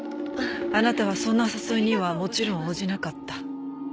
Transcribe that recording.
あなたはそんな誘いにはもちろん応じなかった。